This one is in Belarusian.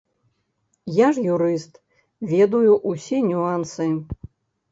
Я ж юрыст, ведаю усе нюансы.